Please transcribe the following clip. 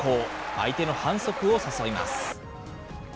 相手の反則を誘います。